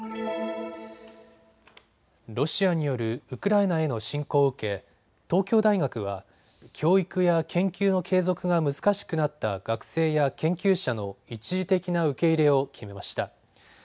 ロシアによるウクライナへの侵攻を受け東京大学は教育や研究の継続が難しくなった学生や研究者の一時的な受け入れを決めました。